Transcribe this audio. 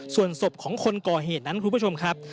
ส่วนศพของคนก่อเหตุนั้นคุณผู้ชมครับ